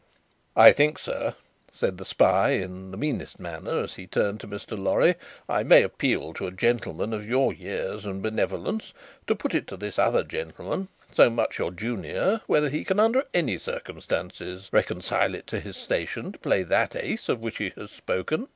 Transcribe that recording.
"I think, sir," said the spy, in the meanest manner, as he turned to Mr. Lorry, "I may appeal to a gentleman of your years and benevolence, to put it to this other gentleman, so much your junior, whether he can under any circumstances reconcile it to his station to play that Ace of which he has spoken.